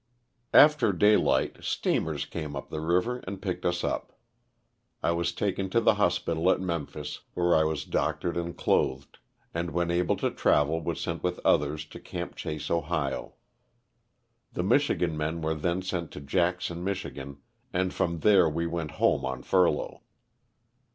After daylight steamers came up the river and picked us up. I was taken to the hospital at Memphis, where I was doctored and clothed, and when able to travel was sent with others to '^ Camp Chase," Ohio. The Michigan men were then sent to Jackson, Mich., and from there we went home on furlough.